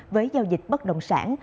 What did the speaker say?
với giao dịch bất động sản